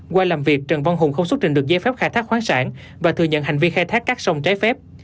qua làm việc trần văn hùng không xuất trình được giấy phép khai thác khoáng sản và thừa nhận hành vi khai thác các sông trái phép